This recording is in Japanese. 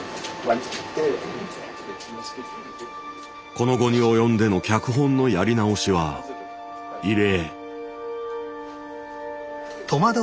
この期に及んでの脚本のやり直しは異例。